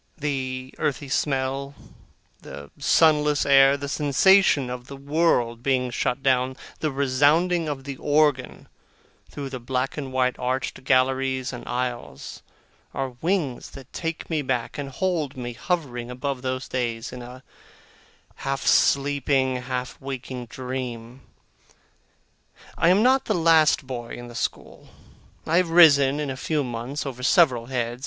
The earthy smell, the sunless air, the sensation of the world being shut out, the resounding of the organ through the black and white arched galleries and aisles, are wings that take me back, and hold me hovering above those days, in a half sleeping and half waking dream. I am not the last boy in the school. I have risen in a few months, over several heads.